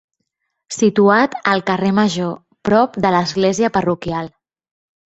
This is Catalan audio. Situat al carrer Major, prop de l'església parroquial.